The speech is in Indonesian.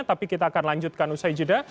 tapi kita akan lanjutkan usai jeda